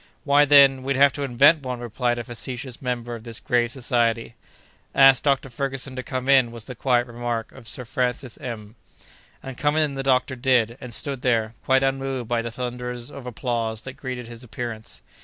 "Why, then, we'd have to invent one!" replied a facetious member of this grave Society. "Ask Dr. Ferguson to come in," was the quiet remark of Sir Francis M——. And come in the doctor did, and stood there, quite unmoved by the thunders of applause that greeted his appearance.